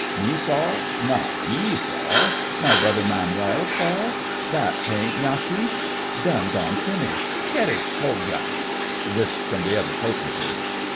'Me, sar? Not me, sar. My brother Manuel, sar? That paint mafeesh. Done gone finish. Kerritch hogya.' This from the other potentate.